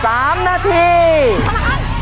ถูกถูกถูก